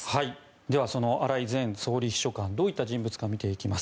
ではその荒井前総理秘書官どういった人物か見ていきます。